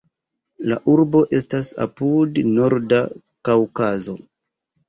La urbo estas apud Norda Kaŭkazo.